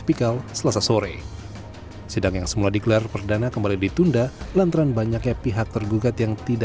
pengadilan negeri jakarta pusat